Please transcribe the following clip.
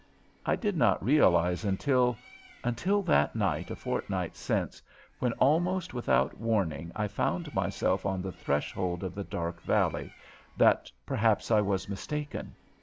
I did not realize until until that night a fortnight since, when almost without warning I found myself on the threshold of the dark valley, that perhaps I was mistaken.